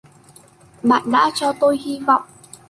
bạn đã cho tôi hi vọng